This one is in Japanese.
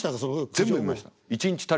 全部見ました。